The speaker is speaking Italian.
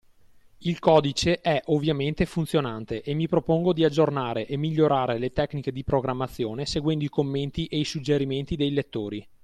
Il codice è, ovviamente, funzionante e mi propongo di aggiornare e migliorare le tecniche di programmazione seguendo i commenti e i suggerimenti dei lettori.